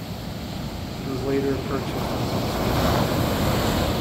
It was later purchased into the Swedish Navy.